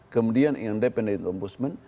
kemudian independent ombudsman